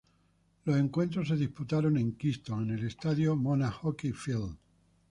Los encuentros se disputaron en Kingston en el estadio Mona Hockey Field.